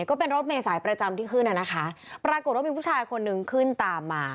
ก็เป็นรถเมษายประจำที่ขึ้นอ่ะนะคะปรากฏว่ามีผู้ชายคนนึงขึ้นตามมา